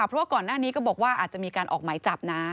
เพราะว่าก่อนหน้านี้ก็บอกว่าอาจจะมีการออกหมายจับนะ